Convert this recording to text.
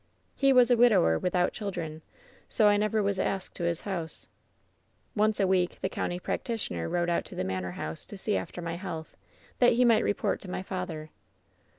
He was a widower without children, so I never was asked to his house. WHEN SHADOWS DIE 141 "Once a week the county practitioner rode out to the manor house to see after my health, that he might report to my father.